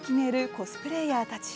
コスプレイヤーたち。